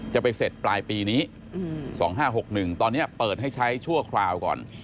จะไปเสร็จปลายปีนี้๒๕๖๑ตอนนี้เปิดให้ใช้ชั่วคราวก่อน